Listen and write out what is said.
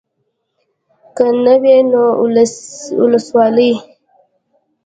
که نه وي نو اولسوالي.